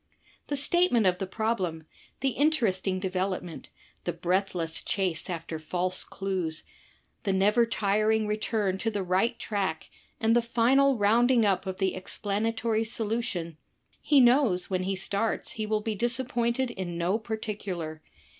The statement of the problem, the interesting development, the breathless chase after false clues, the never tiring return to the right track and the final roimding up of the explanatory solution — he knows when he starts he will be disappointed in no particular.